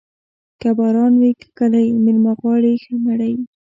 که باران وې که ږلۍ، مېلمه غواړي ښه مړۍ.